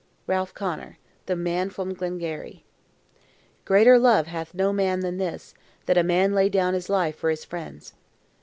RALPH CONNOR: "The Man from Glengarry." Greater love hath no man than this, that a man lay down his life for his friends.